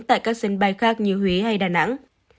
tại các sân bay khác như huế hay đà nẵng